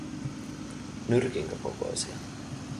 Nyrkinkö kokoisia?